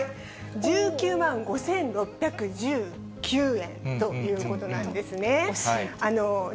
１９万５６１９円ということなんですね。